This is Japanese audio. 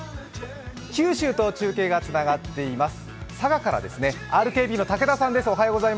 九州と中継がつながっています。